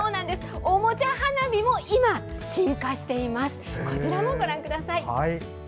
おもちゃ花火も今、進化しています。